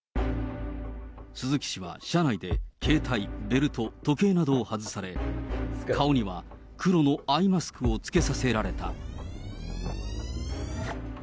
鈴木氏は車内で携帯、ベルト、時計などを外され、顔には黒のアイマスクを着けさせられた。